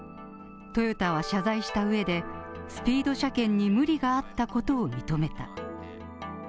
トヨタは謝罪したうえで、スピード車検に無理があったことを認めた。